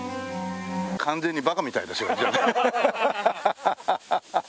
完全にバカみたいですよ。